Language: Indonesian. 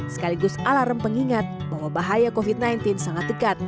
sekaligus alarm pengingat bahwa bahaya covid sembilan belas sangat dekat